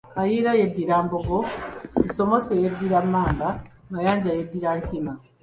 Kayiira yeddira Mbogo, Kisomose yeddira Mmamba, Mayanja yeddira Nkima.